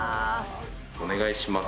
お願いします。